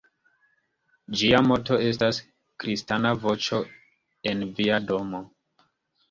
Ĝia moto estas: "Kristana voĉo en via domo".